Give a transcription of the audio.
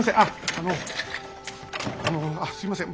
あのあっすいません。